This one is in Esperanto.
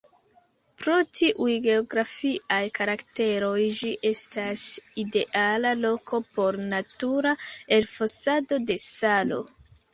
Pro tiuj geografiaj karakteroj, ĝi estas ideala loko por natura elfosado de salo.